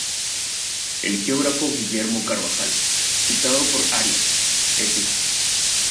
El geógrafo Guillermo Carvajal, citado por Arias, et.